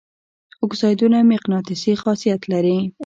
اکسایدونه مقناطیسي خاصیت لري.